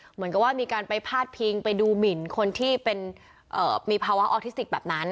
เหมือนกับว่ามีการไปพาดพิงไปดูหมินคนที่เป็นมีภาวะออทิสติกแบบนั้น